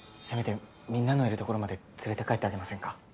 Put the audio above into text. せめてみんなのいる所まで連れて帰ってあげませんか？